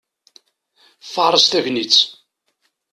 Faṛeṣ tagnitt!